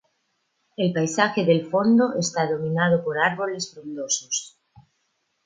El paisaje del fondo está dominado por árboles frondosos.